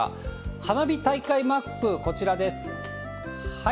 花火大会マップ、こちらです。